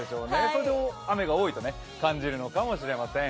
それで雨が多いと感じるのかもしれません。